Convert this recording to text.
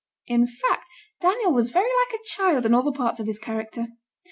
In fact, Daniel was very like a child in all the parts of his character.